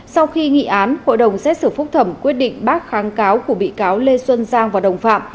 sau khi nghị án hội đồng xét xử phúc thẩm quyết định bác kháng cáo của bị cáo lê xuân giang và đồng phạm